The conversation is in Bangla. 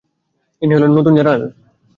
ইনি হলেন আমাদের নতুন জেনারেল ম্যানেজার।